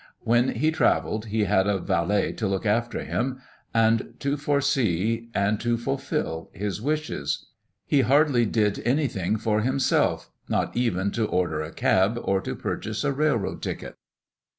When he travelled he had a valet to look after him, and to foresee and to fulfil his wishes. He hardly did anything for himself not even to order a cab or to purchase a railroad ticket.